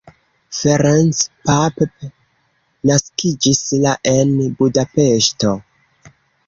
Ferenc Papp naskiĝis la en Budapeŝto.